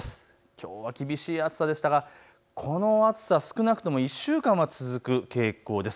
きょうは厳しい暑さでしたがこの暑さ、少なくとも１週間は続く傾向です。